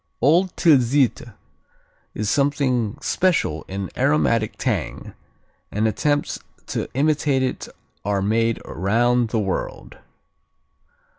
Old Tilsiter is something special in aromatic tang, and attempts to imitate it are made around the world.